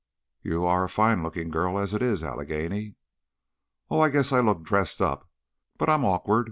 "You are a fine looking girl as it is, Allegheny." "Oh, I guess I look dressed up, but I'm awkward.